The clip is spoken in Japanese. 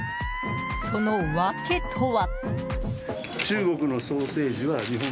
その訳とは？